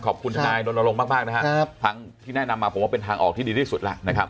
ขอบคุณทนายโดนลงมากนะครับทั้งที่แนะนำมาผมว่าเป็นทางออกที่ดีที่สุด